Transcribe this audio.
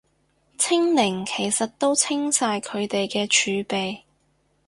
清零其實都清晒佢哋啲儲備